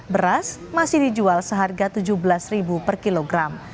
beras masih dijual seharga rp tujuh belas per kilogram